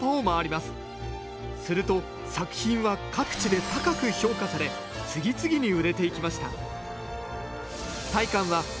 すると作品は各地で高く評価され次々に売れていきました。